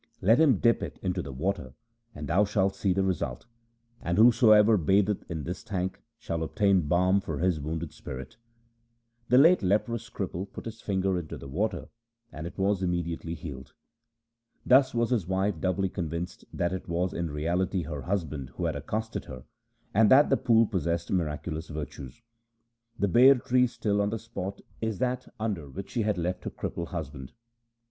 Let him dip it into the water, and thou shalt see the result. And whoever batheth in this tank shall obtain balm for his wounded spirit !' The late leprous cripple put his finger into the water and it was immediately healed. Thus was his wife doubly convinced that it was in reality her husband who had accosted her, and that the pool possessed miraculous virtues. The ber tree still on the spot is that under which she left her crippled husband.